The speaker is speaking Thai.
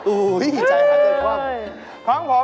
อุ๊ยใจค่ะจริงความ